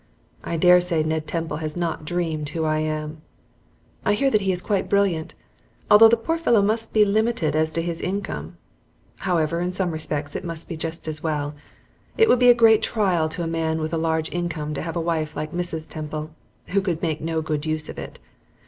I dare say Ned Temple has not dreamed who I am. I hear that he is quite brilliant, although the poor fellow must be limited as to his income. However, in some respects it must be just as well. It would be a great trial to a man with a large income to have a wife like Mrs. Temple, who could make no good use of it.